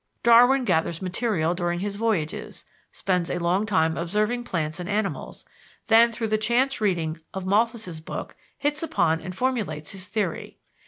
Darwin gathers material during his voyages, spends a long time observing plants and animals, then through the chance reading of Malthus' book, hits upon and formulates his theory.